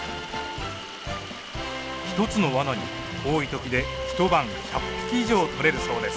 １つのわなに多い時で一晩１００匹以上とれるそうです。